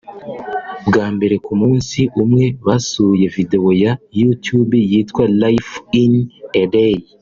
bwa mbere ku munsi umwe basuye video ya YouTube yitwa Life In A Day